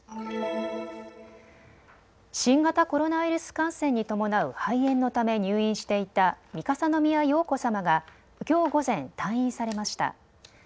新型コロナウイルス感染に伴う肺炎のため入院していた三笠宮瑶子さまがきょう午前、退院されました。